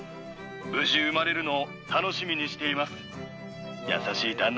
無事生まれるのを楽しみにしています。